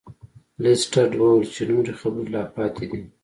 لیسټرډ وویل چې نورې خبرې لا پاتې دي.